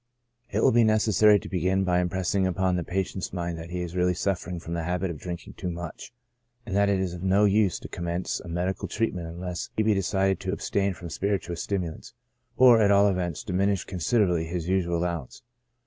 It will be necessary to begin by impressing upon the patient's mind that he is really suffering from the habit of drinking too much, and that it is of no use to commence a medical treatment unless he be decided to abstain from spirituous stimulants, or, at all events, diminish considerably his usual allowance.